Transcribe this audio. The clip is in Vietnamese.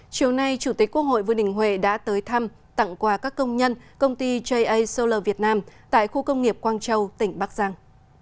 chiều nay chủ tịch quốc hội vương đình huệ đã tới thăm tặng quà các công nhân công ty ja solar việt nam tại khu công nghiệp quang châu tỉnh bắc giang